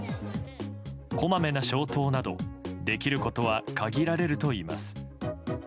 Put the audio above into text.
こまめな消灯などできることは限られるといいます。